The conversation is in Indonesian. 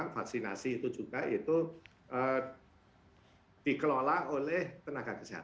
vaksinasi itu juga itu dikelola oleh tenaga kesehatan